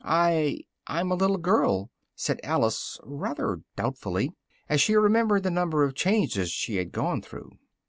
"I I'm a little girl," said Alice, rather doubtfully, as she remembered the number of changes she had gone through.